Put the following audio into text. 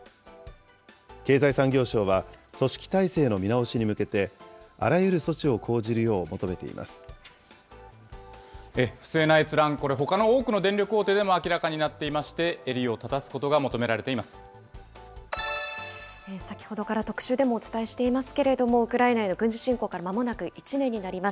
経済産業省は、組織体制の見直しに向けてあらゆる措置を講じるよ不正な閲覧、これ、ほかの多くの電力大手でも明らかになっていまして、襟を正すことが求めら先ほどから特集でもお伝えしていますけれども、ウクライナへの軍事侵攻からまもなく１年になります。